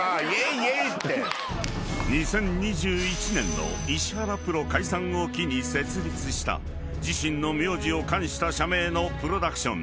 ［２０２１年の石原プロ解散を機に設立した自身の名字を冠した社名のプロダクション］